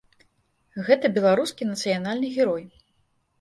Гэта беларускі нацыянальны герой.